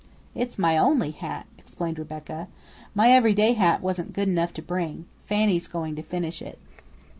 "It's my only hat," explained Rebecca. "My every day hat wasn't good enough to bring. Fanny's going to finish it."